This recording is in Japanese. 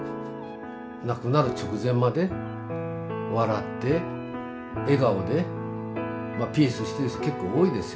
亡くなる直前まで笑って笑顔でピースしてる人結構多いですよね。